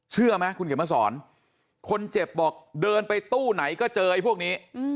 เชื่อไหมคุณเขียนมาสอนคนเจ็บบอกเดินไปตู้ไหนก็เจอไอ้พวกนี้